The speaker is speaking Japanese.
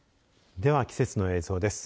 では、季節の映像です。